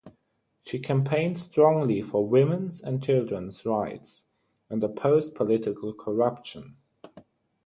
She campaigned strongly for women's and children's rights, and opposed political corruption.